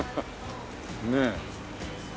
ねえ。